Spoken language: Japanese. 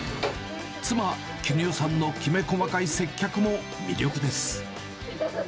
妻、絹代さんのきめ細かい接客も魅力です。